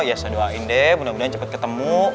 ya saya doain deh mudah mudahan cepat ketemu